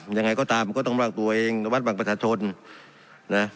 ยังไงก็ตามก็ต้องระวังตัวเองระวัดบังประชาชนนะ